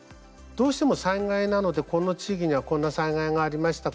どうしても災害なのでこの地区にはこんな災害がありました